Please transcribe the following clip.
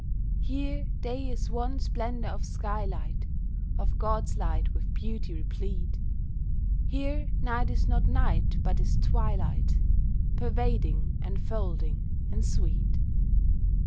Here day is one splendour of sky light— Of God's light with beauty replete. Here night is not night, but is twilight, Pervading, enfolding, and sweet.